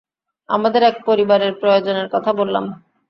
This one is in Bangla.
আমাদের এক পরিবারের প্রয়োজনের কথা বললাম।